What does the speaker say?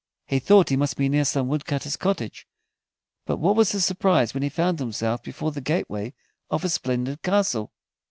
He thought he must be near some woodcutter's cottage, but what was his surprise when he found himself before the gateway of a splendid castle!